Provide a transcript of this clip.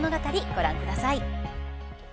ご覧ください。